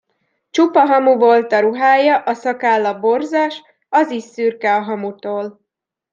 Csupa hamu volt a ruhája, a szakálla borzas, az is szürke a hamutól.